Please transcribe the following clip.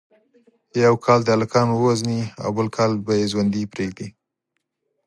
یو کال دې هلکان ووژني او بل کال به یې ژوندي پریږدي.